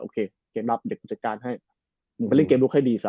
โคเกมรับเดี๋ยวกูจัดการให้มึงไปเล่นเกมลุกให้ดีซะ